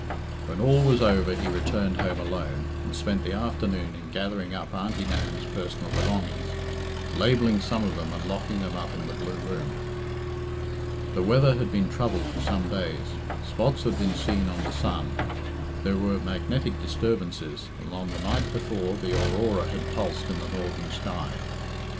When all was over he returned home alone, and spent the afternoon in gathering up Auntie Nan's personal belongings, labelling some of them and locking them up in the blue room. The weather had been troubled for some days. Spots had been seen on the sun. There were magnetic disturbances, and on the night before the aurora had pulsed in the northern sky.